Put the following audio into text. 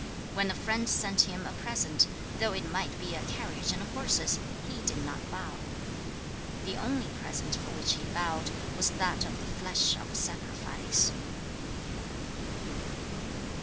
2. When a friend sent him a present, though it might be a carriage and horses, he did not bow. 3. The only present for which he bowed was that of the flesh of sacrifice.